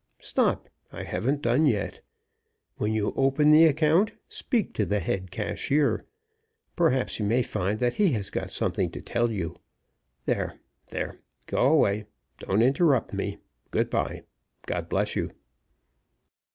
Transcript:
Stop! I haven't done yet. When you open the account, speak to the head cashier. Perhaps you may find he has got something to tell you. There! there! go away don't interrupt me good by God bless you!"